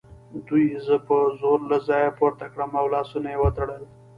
دوی زه په زور له ځایه پورته کړم او لاسونه یې وتړل